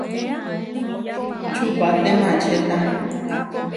Čupaté maačeta.